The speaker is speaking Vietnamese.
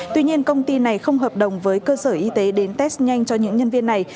tuy nhiên công ty này không hợp đồng với cơ sở y tế đến test nhanh cho những nhân viên này